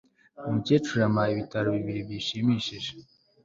Umukecuru yampaye ibitabo bibiri bishimishije